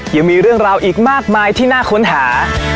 ยังมีเรื่องราวอีกมากมายที่น่าค้นหา